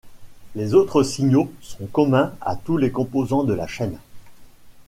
Les autres signaux sont communs à tous les composants de la chaîne.